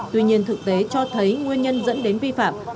tuy nhiên thực tế cho thấy nguyên nhân dẫn đến vi phạm